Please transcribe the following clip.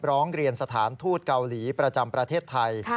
ร้องเรียนสถานทูตเกาหลีประจำประเทศไทย